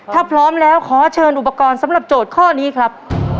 ถ้าพร้อมแล้วขอเชิญอุปกรณ์สำหรับโจทย์ข้อนี้ครับ